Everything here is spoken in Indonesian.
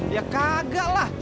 ya kagak lah